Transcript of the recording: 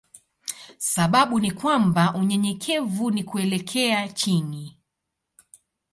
Sababu ni kwamba unyenyekevu ni kuelekea chini.